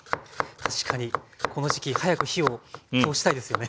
確かにこの時期早く火を通したいですよね。